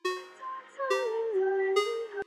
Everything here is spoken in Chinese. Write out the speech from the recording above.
新尖额蟹属为膜壳蟹科新尖额蟹属的动物。